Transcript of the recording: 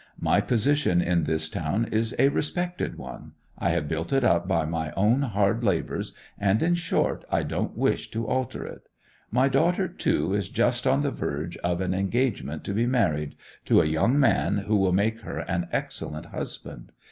My position in this town is a respected one; I have built it up by my own hard labours, and, in short, I don't wish to alter it. My daughter, too, is just on the verge of an engagement to be married, to a young man who will make her an excellent husband.